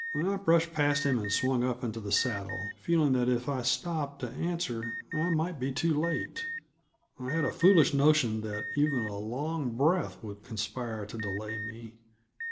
I brushed past him and swung up into the saddle, feeling that if I stopped to answer I might be too late. I had a foolish notion that even a long breath would conspire to delay me.